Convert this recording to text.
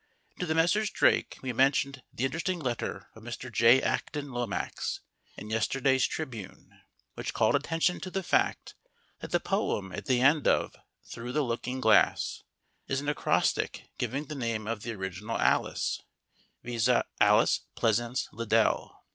To the Messrs. Drake we mentioned the interesting letter of Mr. J. Acton Lomax in yesterday's Tribune, which called attention to the fact that the poem at the end of "Through the Looking Glass" is an acrostic giving the name of the original Alice viz., Alice Pleasance Liddell.